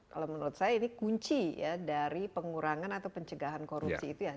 kalau menurut saya ini kunci ya dari pengurangan atau pencegahan korupsi itu ya